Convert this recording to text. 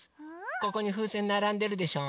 ここにふうせんならんでるでしょ？